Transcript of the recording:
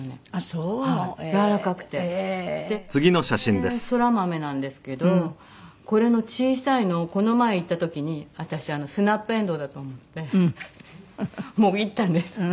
でこれそら豆なんですけどこれの小さいのをこの前行った時に私スナップエンドウだと思ってもぎったんです。